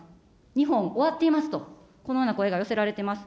日本終わっていますと、このような声が寄せられています。